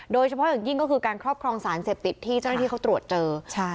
โดยเฉพาะอย่างยิ่งก็คือการครอบครองสารเสพติดที่เจ้าหน้าที่เขาตรวจเจอ